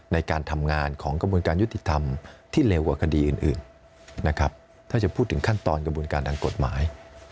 ในการทำงานของกระบวนการยุติธรรมที่เร็วกว่าคดีอื่นนะครับถ้าจะพูดถึงขั้นตอนกระบวนการทางกฎหมาย